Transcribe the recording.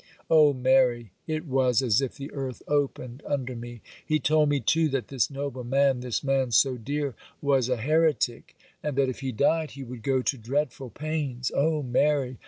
Oh, Mary! it was as if the earth opened under me. He told me, too, that this noble man, this man so dear, was a heretic, and that if he died he would go to dreadful pains. Oh, Mary!